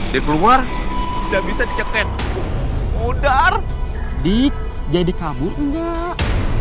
dia keluar gak bisa diceket udar dikit jadi kabur enggak